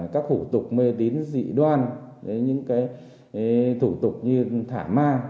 các hủ tục mê tín dị đoan những thủ tục như thả ma